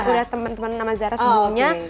udah temen temen nama zara semuanya